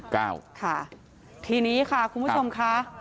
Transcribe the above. ค่ะทีนี้ค่ะคุณผู้ชมค่ะ